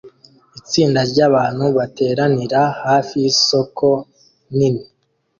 Itsinda ryabantu bateranira hafi yisoko nini